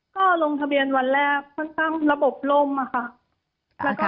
ก็ลงทะเบียนวันแรกเพิ่งตั้งระบบร่มค่ะ